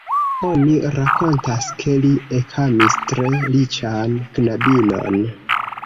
Oni rakontas, ke li ekamis tre riĉan knabinon.